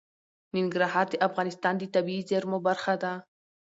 ننګرهار د افغانستان د طبیعي زیرمو برخه ده.